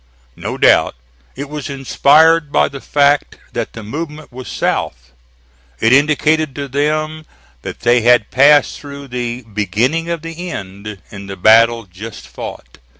No doubt it was inspired by the fact that the movement was south. It indicated to them that they had passed through the "beginning of the end" in the battle just fought.